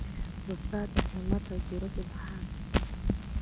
استاد د همت او جرئت الهام دی.